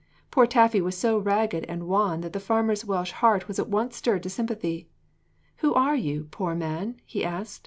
Poor Taffy was so ragged and wan that the farmer's Welsh heart was at once stirred to sympathy. 'Who are you, poor man?' he asked.